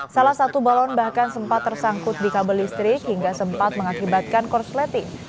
salah satu balon bahkan sempat tersangkut di kabel listrik hingga sempat mengakibatkan korsleting